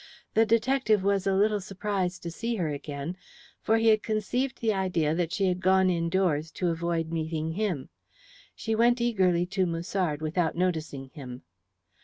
The detective was a little surprised to see her again, for he had conceived the idea that she had gone indoors to avoid meeting him. She went eagerly to Musard without noticing him.